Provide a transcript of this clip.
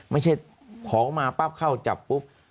ไม่ใช่ของมาปั๊บเข้าจับปุ๊บ